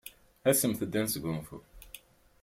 Asemt-d ad nesgunfu.